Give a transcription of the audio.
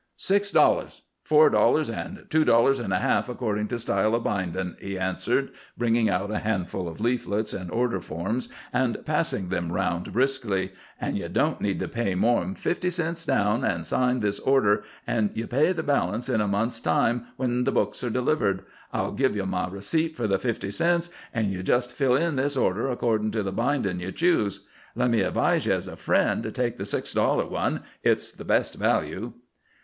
"Six dollars, four dollars, an' two dollars an' a half, accordin' to style of bindin'," he answered, bringing out a handful of leaflets and order forms and passing them round briskly. "An' ye don't need to pay more'n fifty cents down, an' sign this order, an' ye pay the balance in a month's time, when the books are delivered. I'll give ye my receipt for the fifty cents, an' ye jest fill in this order accordin' to the bindin' ye choose. Let me advise ye, as a friend, to take the six dollar one. It's the best value."